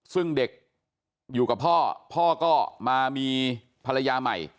ซึ่งเด็กอยู่กับพ่อพ่อก็มามีภรรยาใหม่